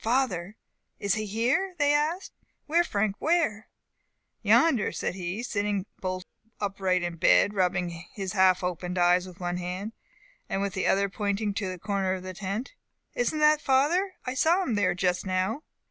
Father! Is he here?" they asked. "Where, Frank? where!" "Yonder," said he, sitting bolt upright in bed, rubbing his half opened eyes with one hand, and with the other pointing to a corner of the tent. "Isn't that father? I saw him there just now."